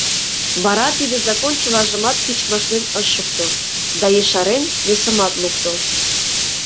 Вара тиде закон чылажымат тичмашлен ыш шукто да, ешарен, весымат лукто.